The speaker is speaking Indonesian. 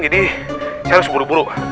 ini saya harus buru buru